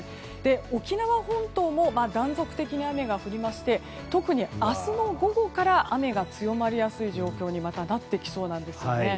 沖縄本島も断続的に雨が降りまして特に明日の午後から雨が強まりやすい状況にまたなってきそうなんですね。